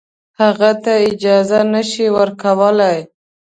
هغه ته اجازه نه شي ورکولای.